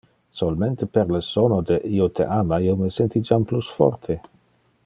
Solmente per le sono de "io te ama" io me senti jam plus forte.